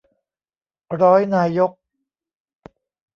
ร้อยนายก